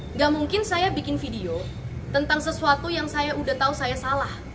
nggak mungkin saya bikin video tentang sesuatu yang saya udah tahu saya salah